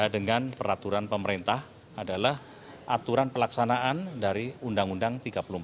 dengan peraturan pemerintah adalah aturan pelaksanaan dari undang undang tiga puluh empat